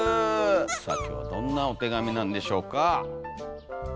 さあ今日はどんなお手紙なんでしょうかよっ！